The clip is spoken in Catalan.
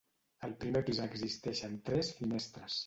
Al primer pis existeixen tres finestres.